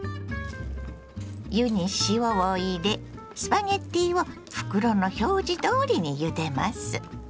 湯に塩を入れスパゲッティを袋の表示どおりにゆでます。